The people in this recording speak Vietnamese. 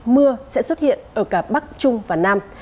mưa sẽ xuất hiện ở cả bắc trung và nam